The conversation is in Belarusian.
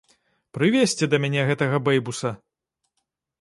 Прывесці да мяне гэтага бэйбуса!